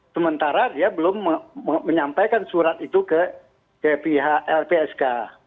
sementara dia belum menyampaikan surat itu ke pihak lpsk